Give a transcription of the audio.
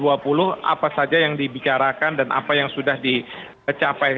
apa saja yang dibicarakan dan apa yang sudah dicapai